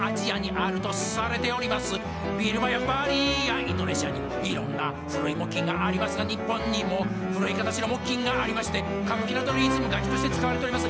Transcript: ビルマやバリやインドネシアにいろんな古い木琴がありますが日本にも古い形の木琴がありまして歌舞伎などでリズム楽器として使われております